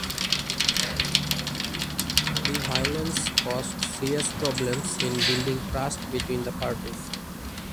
The violence caused serious problems in building trust between the parties.